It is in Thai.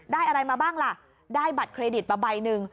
ได้อะไรมาบ้างล่ะได้บัตรเครดิตมาใบหนึ่ง